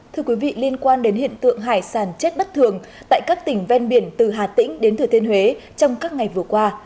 thưa quý vị liên quan đến hiện tượng hải sản chết bất thường tại các tỉnh ven biển từ hà tĩnh đến thừa thiên huế trong các ngày vừa qua